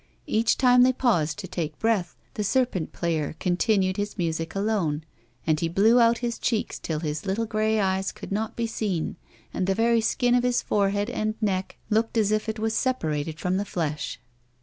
Each time they paused to take breath, the serpent player continued his music alone, and he blew out his cheeks till 4'2 A WOMAWS LIFE. his little grey eyes could not be seen and the very skin of his forehead and neck looked as if it was separated from the flesh.